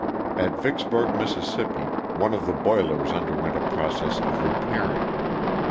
At Vicksburg, Miss., one of the boilers underwent a process of repairing.